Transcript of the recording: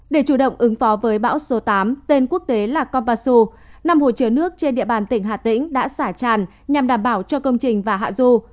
để chủ động ứng phó với bão số tám tên quốc tế là conpasu năm hồ chứa nước trên địa bàn tỉnh hà tĩnh đã xả tràn nhằm đảm bảo cho công trình và hạ du